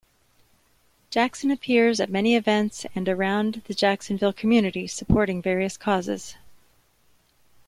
Jaxson appears at many events and around the Jacksonville community supporting various causes.